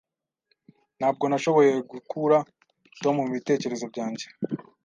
Ntabwo nashoboye gukura Tom mubitekerezo byanjye.